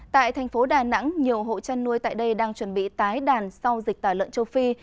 tại thành phố đà nẵng nhiều hộ chăn nuôi tại đây đang chuẩn bị tái đàn sau dịch tả lợn châu phi